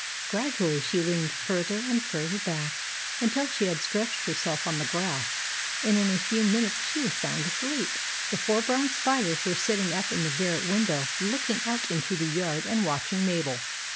Grad ually she leaned further and further back until she had stretched herself on the grass, and in a few minutes she was sound asleep. The four brown spiders were sitting up in the garret window looking out into the yard and watching Mabel.